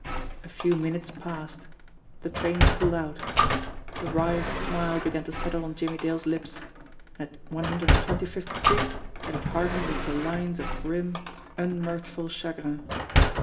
A few minutes passed. The train pulled out. A wry smile began to settle on Jimmie Dale's lips and at 125th Street it had hardened into lines of grim, unmirthful chagrin.